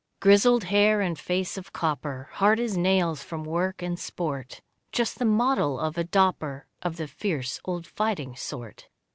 Grizzled hair and face of copper, Hard as nails from work and sport, Just the model of a Dopper Of the fierce old fighting sort.